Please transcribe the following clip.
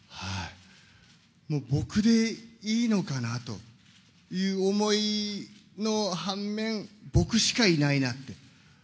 もう僕でいいのかなという思いの反面、僕しかいないなと。